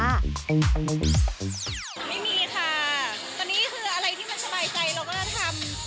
ไม่มีค่ะตอนนี้คืออะไรที่มันสบายใจเราก็จะทำ